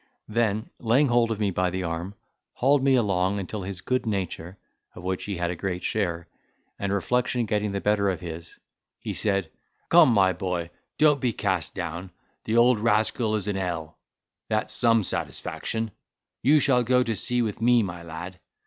Then, laying hold of me by the arm, hauled me along, until his good nature (of which he had a great share) and reflection getting the better of his he said, "Come, my boy, don't be cast down,—the old rascal is in hell, that's some satisfaction; you shall go to sea with me, my lad.